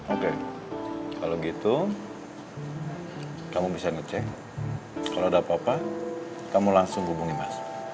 oke kalau gitu kamu bisa ngecek kalau ada apa apa kamu langsung hubungi mas